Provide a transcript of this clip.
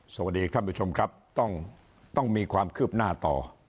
สวัสดีท่านผู้ชมครับต้องมีความคืบหน้าต่อ